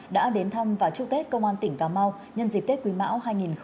đã đến thăm và chúc tết công an tỉnh cà mau nhân dịp tết quý mão hai nghìn hai mươi